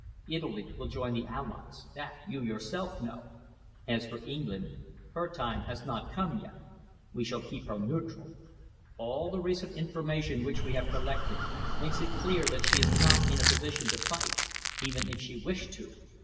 Italy will join the allies that you yourself know. As for England, her time has not come yet. We shall keep her neutral. All the recent information which we have collected makes it clear that she is not in a position to fight, even if she wished to.